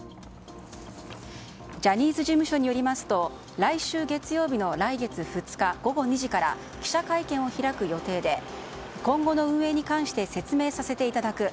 ジャニーズ事務所によりますと来週月曜日の来月２日午後２時から記者会見を開く予定で今後の運営に関して説明させていただく。